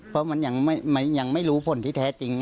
เพราะมันยังไม่รู้ผลที่แท้จริง